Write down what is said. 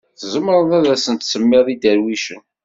Tzemreḍ ad asen-tsemmiḍ iderwicen.